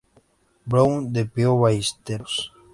Brown", de Pío Ballesteros.